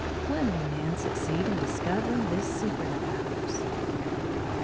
When will man succeed in discovering this secret of ours?